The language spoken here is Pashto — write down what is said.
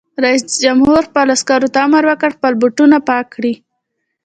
رئیس جمهور خپلو عسکرو ته امر وکړ؛ خپل بوټونه پاک کړئ!